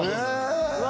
うわ